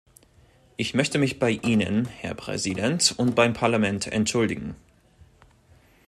Ich möchte mich bei Ihnen, Herr Präsident, und beim Parlament entschuldigen.